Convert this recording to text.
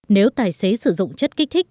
nếu tài xế sử dụng chất kích thích